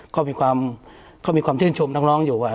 ก็มีความชื่นชมทั้งน้องอยู่